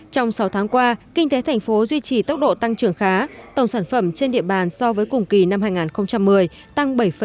trong sáu tháng qua kinh tế thành phố duy trì tốc độ tăng trưởng khá tổng sản phẩm trên địa bàn so với cùng kỳ năm hai nghìn một mươi tăng bảy tám